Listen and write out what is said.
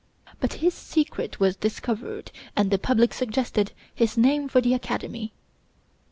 But his secret was discovered, and the public suggested his name for the Academy.